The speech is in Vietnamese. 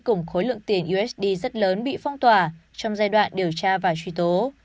cùng khối lượng tiền usd rất lớn bị phong tỏa trong giai đoạn điều tra và truy tố